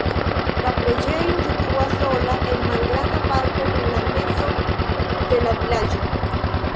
La preĝejo situas sola en malgranda parko en la mezo de la vilaĝo.